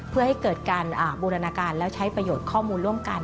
เพื่อให้เกิดการบูรณาการแล้วใช้ประโยชน์ข้อมูลร่วมกัน